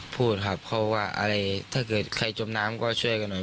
พูดครับเขาว่าอะไรถ้าเกิดใครจมน้ำก็ช่วยกันหน่อย